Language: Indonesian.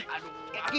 aduh apa sih